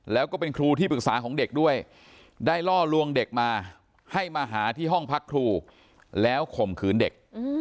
แล้วก็เป็นครูที่ปรึกษาของเด็กด้วยได้ล่อลวงเด็กมาให้มาหาที่ห้องพักครูแล้วข่มขืนเด็ก